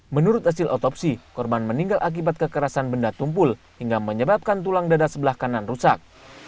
menurut hasil otopsi korban meninggal akibat kekerasan benda tumpul hingga menyebabkan tulang dada sebelah kanan rusak